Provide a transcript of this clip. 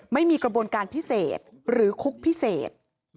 ไม่มีกระบวนการพิเศษหรือคุกพิเศษ